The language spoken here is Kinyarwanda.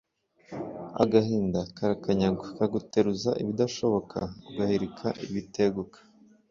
agahinda karakanyagwa, kaguteruza ibidashoboka, ugahirika ibiteguka